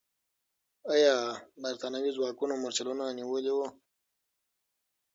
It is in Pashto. آیا برتانوي ځواکونو مرچلونه نیولي وو؟